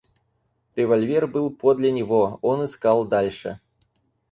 Револьвер был подле него, — он искал дальше.